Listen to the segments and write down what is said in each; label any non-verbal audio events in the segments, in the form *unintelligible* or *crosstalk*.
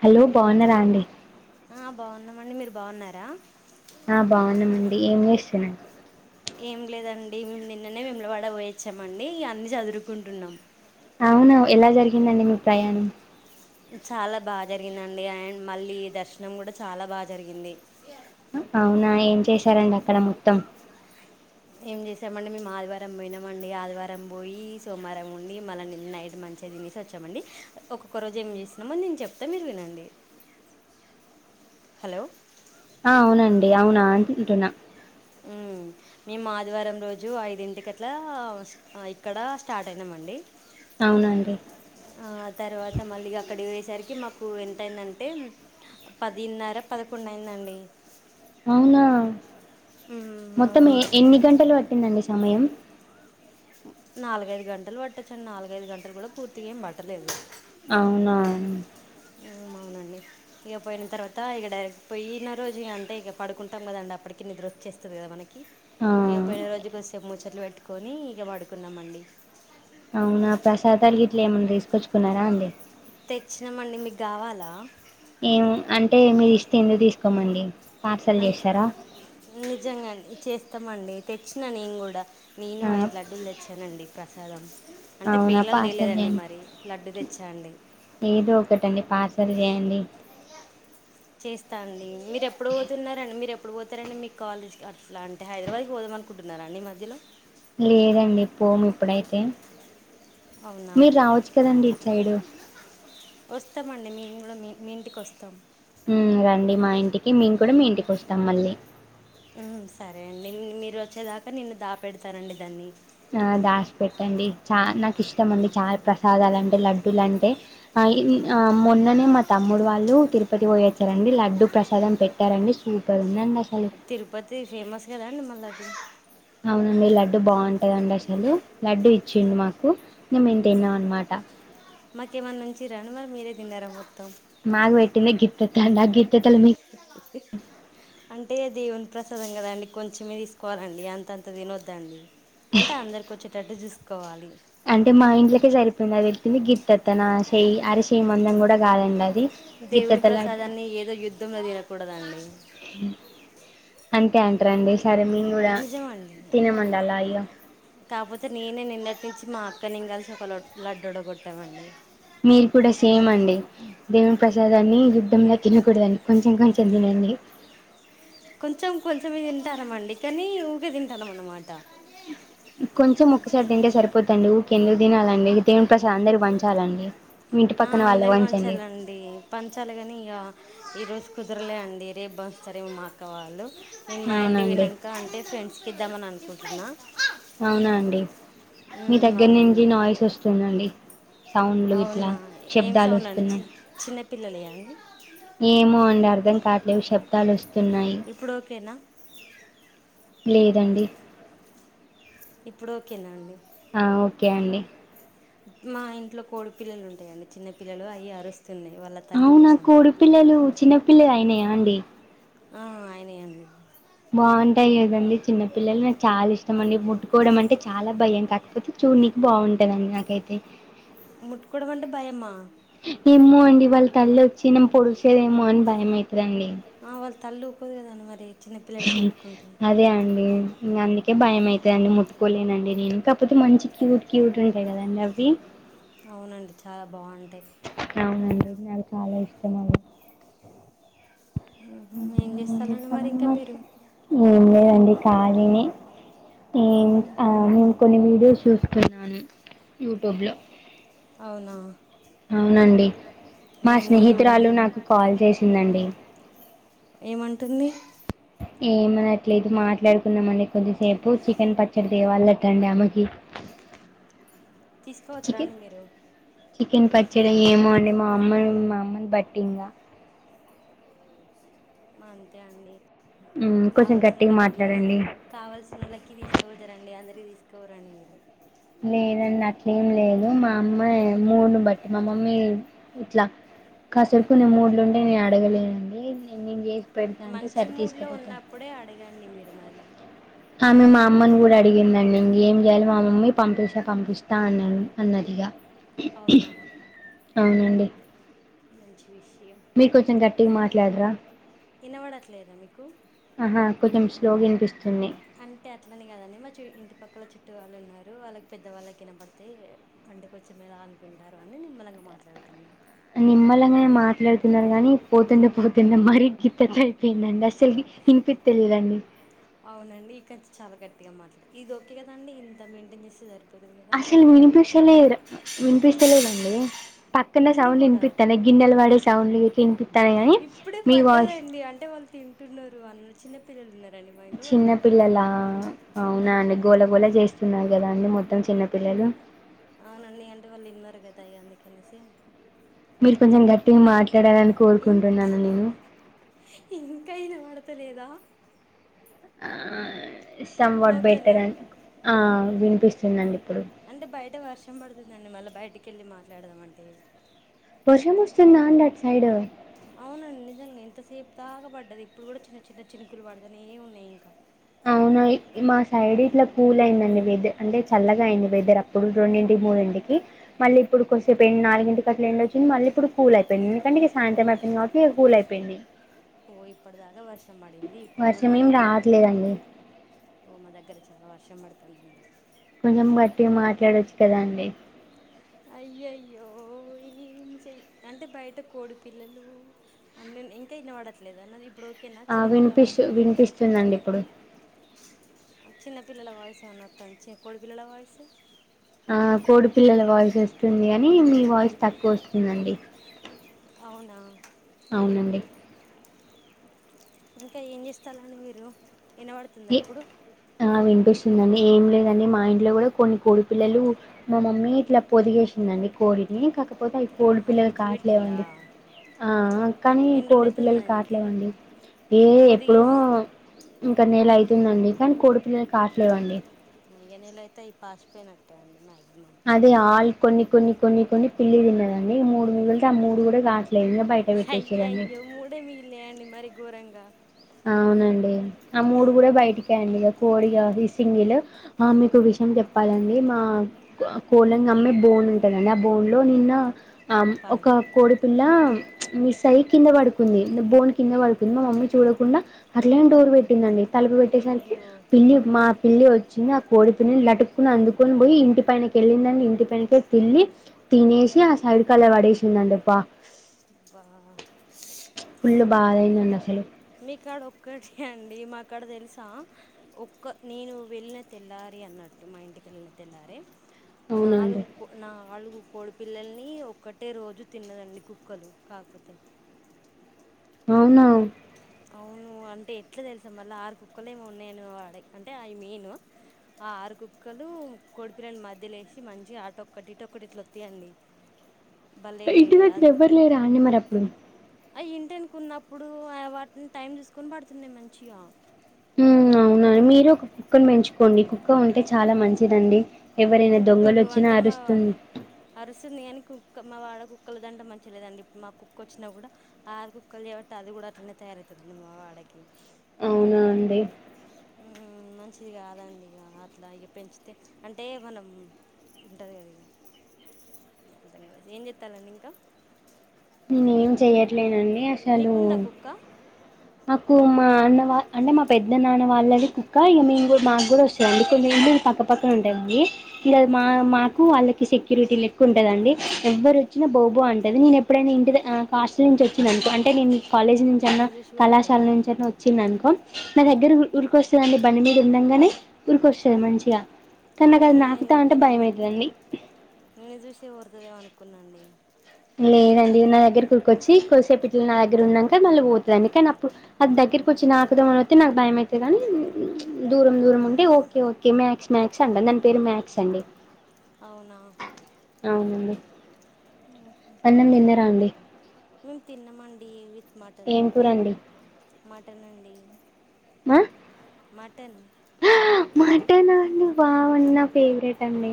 Hello బాగున్నారాండి ఆ బాగున్నామండి మీరు బాగున్నారా ఆ బాగున్నామండి ఏం చేస్తున్నారు ఏం లేదండి మేము నిన్ననే వేములవాడ పోయచ్చామండి ఇగ అన్నీ చదురుకుంటున్నాం అవును ఎలా జరిగిందండి మీ ప్రయాణం చాలా బాగా జరిగిందండి అండ్ మళ్ళీ దర్శనం కూడా చాలా బాగా జరిగింది అవునా ఏం చేశారండి అక్కడ మొత్తం ఏం చేసామండి మేము ఆదివారం పోయినామండి ఆదివారం పోయి సోమవారం ఉండి మళ్ళ నిన్న నైట్ మంచిగా తినేసి వచ్చామండి ఒక్కొక్క రోజు ఏమి చేసినామో నేను చెప్తా మీరు వినండి హలో ఆ అవునండి అవునా అంటున్నా ఉమ్మ్ మేము ఆదివారం రోజు ఐదింటికట్లా ఇక్కడ స్టార్ట్ అయినమండి అవునండి ఆ తర్వాత మళ్ళీగా అక్కడికి పోయేసరి కి మాకు ఎంతయిందంటే పదిన్నర పదకొండు అయిందండి అవునా మ్మ్, మొత్తం అవునండి ఎన్ని గంటలు పట్టిందండి సమయం నాలుగైదు గంటలు పట్టచ్చండి నాలుగైదు గంటలు కూడా పూర్తిగా ఏం పట్టలేదు అవునా ఉమ్మ్ అవు నండి ఇగ పోయిన తర్వాత ఇగ డైరెక్ట్ పోయిన రోజు అంటే ఇక పడుకుంటాం కదండి అప్పటికి నిద్ర వచ్చే స్తాది కదా మనకి ఆ ఇగ పోయిన రోజు కొద్దిసేపు ముచ్చట్లు పెట్టుకొని ఇగ పడుకున్నామండి ఇట్లా ఏమన్నా తీసుకొచ్చుకున్నారా అండి తెచ్చినామండి మీకు కావాలా ఏం అంటే మీరు ఇస్తే ఎందుకు తీసుకోమండి పార్సల్ అంట్ చేస్తారా నిజంగానే చేస్తామండి తెచ్చినా నేను గూడా ఆ నేనూ ఐదు లడ్డూలు తెచ్చానండి ప్రసాదం అంటే అవునా పేలలు పార్సల్ తెేలేదండి చేయండి మరి లడ్డు తెచ్చా అండి ఏదో ఒక్కటి అండి పార్సెల్ చేయండి ఇస్తా అండి మీరు ఎప్పుడు పోతున్నారండి మీరు ఎప్పుడు పోతారండి మీ కాలేజ్ కి అట్లా అంటే హైదరాబాద్ కి పోదాం అనుకుంటున్నా తారా అండి మధ్యలో లేదండి పోము ఇప్పుడైతే అవునా మీరు రావచ్చు కదండి ఇటు సైడు వస్తామండి మేం గూడా మీ మీ ఇంటికి వస్తాం ఉమ్ రండి మా ఇంటికి మే కూడా మీ ఇంటికి వస్తాం మళ్ళీ ఊ సరే అండి మీరు వచ్చేదాకా నిన్ను దాపెడతారండి దాన్ని ఆ దాషి పెట్టండి చా నాకు ఇష్టంమండి చా ప్రసాదాలంటే లడ్డూలంటే అయిన్ ఆ మొన్ననే మా తమ్ముడు వాళ్ళు తిరుపతి పోయొచ్చారండి లడ్డూ‌ప్రసాదం పెట్టారండి సూ పర్ ఉందండి అస్ తిరుపతి ఫేమస్ కదండి మళ్ళా అది అవునండి లడ్డూ బావుంటాదండి అసలు లడ్డూ ఇచ్చిండు మాకు మే మేం తిన్నాం అనమాట అ మాకేమైన్నా ఉంచిర్రా అండి మరి మీరే తిన్నారా మొత్తం మాగబెట్టింది గిత్తతానా గి అంటే దేవుని ప్రసాదం కదా అండి కొంచమే తీసుకోవాలండి అంతంత తినొద్దండి అంటే అందరికొచ్చే టట్టు చూసుకోవాలి అంటే మా ఇంట్లకే సరిపోయింది అది పెటైటింది గిట్ట తన శెయ్యొ అరశెయ్ మందం కూడా కాదండి అది దేవుని గిత్తత లడ్డు ప్రసాదాన్ని ఏదో యుద్ధంలో తినకూడదండి అంతే అంటరా అండి నిజమండి అలా ఇగ కాకపోతే నేనే నిన్న తిచ్చి మా అక్క నేను కలిసి ఒక లడ్డూడగొట్టామండి మీరు కూడా సేమ్ అండి దేవుని ప్రసాదాన్ని యుద్ధంలా తినకూడదండి కొంచెం కొంచెం తినండి కొంచెం కొంచెమే తింటానామండి కానీ ఊకే తింటానాం అనమాట కొంచెం ఒక్కసారి తింటే సరిపోతుదండి ఊకే ఎందుకు తినాలండి దేవుని ప్రసాదం అందరికీ పంచాలండి మీ ఇంటి ఆ పక్కన వాళ్ళకి అందరికీ పంచండి పంచాలండి పంచాలి గానీ ఇగ ఈ రో కుదరలే అండి రేపు బంచుతారేమో మా అక్క వాళ్ళు ఉమ్ మా ఇంటి అవునండి పోయినాంక అంటే ఫ్రెం స్ కిద్దామని అనుకుంటున్నా అవునా అండి మీ ఉమ్ దగ్గర అవునండి నుంచి నాయిస్ వస్తుందండి సౌండ్లు ఇట్లా అవునా ఏం శబ్దాలు సౌండ్ అండి వస్తున్నాయి చి చిన్నపిల్లలయా అండి ఏమో అండి అర్థం కావట్లేదు శబ్దాలొస్ ఇప్పుడు ఓకేనా లేదండి ఇప్పుడు ఓకేనా అండి ఆ ఓకే అండి మా ఇంట్లో కోడి పిల్లలు ఉంటాయండి చిన్న పిల్లలు అయి అరుస్ అవునా కోడి పిల్లలు చిన్నపిల్లలు అయినాయా అండి ఆ అయనయి అండి బాగుంటాయి కదండి చిన్నపిల్లలు నాకు చాలా ఇష్టం అండి ముట్టుకోవడం అంటే చాలా భయం కాకపోతే చూడనీకి బావుంటదండి నాకైతే ముట్టుకోవడం అంటే భయమ ఏమో అండి వల్ తల్లి వచ్చి పొడిసేదేమో అని భయమవుతదండి ఆ వాళ్ళ తల్లి ఊకోదు కదండి మరి చిన్నపిల్లల్ని ముట్టుకుంటే అదే అండి భయం అవుతదండి ముట్టుకోలేనండి నేను కాకపోతే మంచి క్యూట్ క్యూట్ ఉంటాయి కదండి అవి అవునండి చాల బాగుంటాయ్ అవునండి నాకు చాల ఇష్టం అండి ఏం చేస్తాలండి మరి ఇంక మీరు ఏం లేదండి కళినే ఆ ఉహు నేను కొన్ని వీడియోస్ చూసుకున్నాను యూట్యూబ్ లో అవునా అవునండి మా నేను కూడా చూడలి స్నేహితురాలు నాకు కాల్ చేసిందండి. ఏమంటుంది ఏమనట్లేదు మాట్లాడుకున్నము అండి కొద్దింసేపు చికెన్ పచ్చడి తేవాలటండి ఆమెకి తీసుకుపోతర చికెన్ అండి మీరు చికెన్ పచ్చడి ఏమో అండే మా అమ్మ మా అమ్మని బట్టి ఇంగ అంతే అండి హ్మ్ కొంచెం కావలసిన గట్టిగా *unintelligible* మాట్లాడండి. కావలసిన వాళ్ళకి తీసుకపోతరండి అందరికి *unintelligible* మీరు లేదండి అట్లే ఏం లేదు మా అమ్మ మూడుని బట్టి మా మమ్మీ ఇట్ల కాసేపు కొన్ని మూడ్లు ఉంటే నేను అడగలేనండి నేను చే మంచి మూడ్ లో ఉన్నప్పుడే అడగండి మీరు మరి ఏం చేయలో మా మమ్మీ పంపిస్తే పంపిస్తా అని అన్నది మా మమ్మీ ఇగ అవునా అవునండి మంచిది మీరు కొంచెం గట్టిగ మాట్లాడర ఇనబడట్లేదా మీకు ఆహా కొంచెం స్లో వినిపి అంటే అట్లనే కాదండి మా ఇంటి పక్కల *unintelligible* పుట్టు వాళ్ళు ఉన్నారు వాళ్ళకి పెద్దవాళ్ళ కనపడితే అంటే కొంచెం ఎలా అనుకుంటారు అని నిమ్మలంగా మాట్లాడుతున్న నిమ్మలగానే మాట్లాడుతున్నారు కాని పోతుండే పోతుండే మరీ గీత్త తడిపోయిందండి అసలు ఇనిపితలేదండి అవునండి ఇక చాల గట్టిగా మాట్లాడ ఇది ఒకకే కదండి ఇంత మెయింటైన్ చేస్తే సరి అసలు వినిపిం *unintelligible* వినిపించలేదండి పక్కనే ఇప్పుడు సౌండ్లు కూడా వినిపిస్తాన్నాయి గిన్నెలు పడే సౌండ్లు వినిపిస్తాన్నా గానీ ఇప్పుడే మీ వాయిస్ పడ్డదండి అంటే తింటున్నారు *unintelligible* మా ఇంట్లో వాళ్ళు చిన్న పిల్లల తింటున్నారు అవునా అండి అవునండి గోళగోళ చేస్తున్నారు కదా అండి మొత్తం చిన్నపిల్లలు అవునండి అంటే వాళ్ళు విన్నారు కద *unintelligible* అందుకనేసి మీరు కొంచెం గట్టిగ మాట్లాడలని ఇం కోరుకుంటున్నాను నేను *unintelligible* లేదా ఆ *unintelligible* ఓకేనా బెటర్ అని ఆ వినిపిస్తుంది అండి అంటే బయట వర్షం పడుతుందండి మళ్ళీ బయటికి వెళ్ళి మాట్లాడదామంటే వర్షం వస్తుందా అండి అటు సైడు అవునండి నిజంగా ఎంతసేపు దాగ పడ్డది ఇప్పుడు కూడ చిన్న చిన్న చినుకులు పడుతనే ఏ ఉన్నాయి ఇంక నోయ్ మా సైడ్ ఇట్ల కూల్ అయిందండి వెదర్ అంటే చల్లగా అయింది వెదర్ అప్పుడు రెండింటికి మూడింటికి కి మళ్ళీప్పుడు కొద్సేపు ఎండ్ నాలుగింటికట్ల ఎండొచ్చింది, మళ్ళీ ఇప్పుడు కూల్ అయిపోయింది ఎందుకంటే ఇగ సాయంత్రం అయిపోయింది గాబట్టి ఇగ కూల్ అయిపోయింది ఓ ఇప్పుడుదాక వర్ష్ ర్షం పడింది ఇప్పుడేమో వర్షం ఏం మళ్ళీ కొంచెం రావట్లేదండి ఓ మా దగ్గర చాలా వర్షం ర్షం బడుతాందండి కొంచెం గట్టిగ మాట్లాడొచ్చు కదా అండి అయ్యయ్యో ఈ ఏం చెయ్ అంటే బయట కోడి పిల్లలు అందున్ ఇంక ఇనపడట్లేద నాదిప్ ఆ వినిపిస్తు వినిపిస్తుందండిప్పుడు ఆ చిన్నపిల్లల వాయిస్ ఏమన్న వత్తాంద చి కొడిపిల్లల వాయిసు ఆ కోడి పిల్లల వాయిస్ వస్తుంది గనీ మీ వాయిస్ తక్కువ వస్తుందండి అవునా అవునండి ఇంకా ఏం చేస్తాళ్ళండి మీరు వినబడుతుందా ఇ ఇప్పుడు ఆ వినిపిస్తుందండి ఏం లేదండి మా మా ఇంట్లో గూడ కొన్ని కోడి పిల్లలు మా మమ్మీ ఇట్లా పొదిగేసిందండి కోడిని కాక కపోతే అయి కోడి ఆహా పిల్లలు గుడ్లు పెట్టిందా కావట్లేవండి ఆ కానీ ఎన్ని రోజులు కోడి పిల్లలు అవుతుందండి కావట్లేవండి ఏ ఎప్పుడో పొదిగేసి క్క నెల అయితుందండి కనీ కోడి పిల్లలు కావట్లేవండి ఆ ఇగ నేలయితే అయి పాషిపోయినట్టే అండి మ్యాగ్ అదే ఆళ్ కొన్ని కొన్ని కొన్ని కొన్ని పిళ్లి తిన్నదండి ఇగ మూడు మిగుల్తె ఆ మూడు గూడ గాట్లే ఇంగ అయ్యయ్యో మూడే మిగిల్నయా అండి మరీ ఘోరంగా అవునండి ఆ మూడు గూడ బయటికేయండిగ కోడిగా ఇది సింగిల్ ఆ మీకో విష్ యం జెప్పాలండి మా కోళ్లను గమ్మే బోన్ ఉంటదండి ఆ బోన్ లో నిన్న అం పాపం ఒకా కోడి పిల్ల మిస్సయ్యి కింద పడుకుంది బోన్ కింద పడుకుంది మా మమ్మీ చూడకుం కుండా అట్లనే డోర్ పెట్టిందండి తలుపు పెట్టేసరికి అయ్యో పిల్లి మా పిల్లి వచ్చింది ఆ కోడి పిల్లని లటుక్కున అందుకొని బోయి ఇంటి పైనకెళ్ళిందండి ఇంటి పైనకెల్లి తినేసి ఆ సైడ్ కాల్వల పడేసిందండి పా బా బాదైన్దండి అసలు క్కాడ ఒక్కటే అండి మా కాడ తెలుసా ఒక్క నేను వెళ్ళిన తెల్లారి అన్నట్ మా ఇంటికి వెళ్ళిన తెల్లారే అవునండి నాలుగు కో నాలుగు కోడిపిల్లల్ని ఒక్కటే రోజు తిన్నదండి కుక్కలు కాకపోతే అవునా అవును అంటే ఎట్లా తెలుసా మళ్ళ ఆరు కుక్కలేమో ఉన్నయండి మా వాడయి అంటే ఐ మెయిన్ ఆ ఆరు కుక్కలు కొడిపిల్లలను మధ్యలేసి మంచిగ ఆటొక్కటి ఇటోక్కటి ఇట్ల ఒత్తయండి ఇటుదటు ఎవ్వరులేరా అండి మరప్పుడు అయి ఇంటెనకున్నప్పుడు వాటిని టైం చూసుకొని పడుతున్నయి మంచిగా అవునావునా మీరే ఒక కుక్కను పెంచుకోండి కుక్క ఉంటే చాలా మంచిదండి ఎవరైనా దొంగలు కుక్కలు వచ్చినా అంటే మా అరుస్తుంది అరుస్తుంది గని కు క్క మా వాడ కుక్కల దంట మంచిగ లేదండి ఇప్ మా కుక్క ఒచ్చినా కూడా ఆరు కుక్కలు జేబట్టి అది గూడ అట్నే తయారయితున్ మ వడకి అవునా అండి ఊ మంచిది కాదండి ఇక అట్లా ఇక పెంచితే అంటే మనం ఉంటుంది కద ఇ కద ఏం చెస్తాలండి ఇంకా నేను ఏం చెయ్యట్లేనండి అసలు మీకు ఉందా కుక్క మాకు మా అన్న అంటే మా పెద్ద నాన్న వాళ్ళది కుక్క ఇ మే కూడా మాకు కూడా వస్తాంది అందుక పక్కపక్క ఉంటాడండి నాకు వాళ్లకు సెక్యూరిటీ లెకు ఉంటుంద అండి ఎవరు వచ్చినా బాబో అంటది నేను ఎప్పుడైనా ఇంటి కాస్ట్ల నుంచి వచ్చినా అంటే నేను కాలేజ్ నుంచి అన్నా నిన్ను చూసి కూడా అంటదా కళాశాల నుంచి అండి అన్నా వచ్చింది అనుకో నా దగ్గర ఊరిక వస్తుందండి బండి మీద ఉండంగానే ఊరిక వస్తుంది మంచిగా కానీ నాకు అది అవును నేను నాకుతా ఇంకా అంటే నిను భయం చూసేత అవుతుందండి నిను చూసే ఓరుతుంది అనుకున్నాండి లేదండి నా దగ్గర కూర్కొచ్చి కొసేప పట్లు నా దగ్గర ఉన్నాక మళ్ళీ పోతుందండి కానీ అప్పుడు అది దగ్గర కొంచెం నాకుదమ్మని వతే నాకు భయం అవుతుంది అనీ దూరం దూరం ఉంటే ఓకే ఓకే మ్యాక్స్ మ్యాక్స్ అండండి దాని పేరు మాక్స్ అండి అవునా అవునండి అన్నం తిన్నరా అండి మేము తిన్నామండి విత్ మటన్ ఏం తోటి కూరండి మటన్ అండి ఆ మటన్ మటన్ అండి బాగున్న ఫేవరెట్ అండి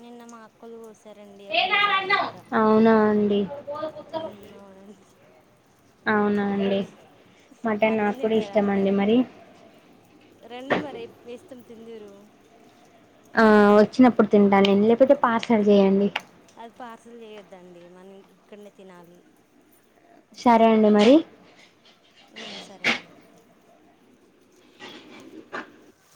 నిన్న మా అక్కలు కోస సరే అండి ఎక్కడ ఏములవాడ దగ్గర అవునా అండి ఉమ్ అవునండి అవునా అండి మటన్ అన్నం నాకు కూడా తింటారా ఇష్టం అండి మరి రండి మరి మొత్తం తిందరు ఆ వచ్చినప్పుడు తింటానును లేకపోతే పాసర్ చేయండి అది పార్సల్ చేయొద్దండి మనం ఇక్కడనే తినాలి సరే అండి మరి సరే అండి